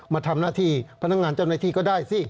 มาทำหน้าที่พนักงานเจ้าหน้าที่ก็ได้สิ